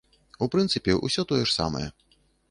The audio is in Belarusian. У прынцыпе, усё тое ж самае.